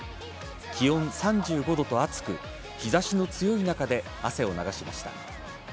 気温３５度と暑く日差しの強い中で汗を流しました。